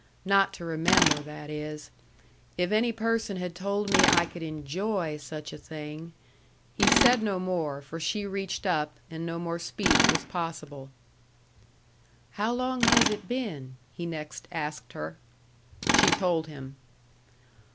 "Not to remember, that is. If any person had told me I could ENJOY such a thing " He said no more, for she reached up, and no more speech was possible. "How long has it been?" he next asked her. She told him.